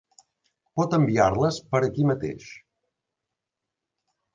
Pot enviar-les per aquí mateix.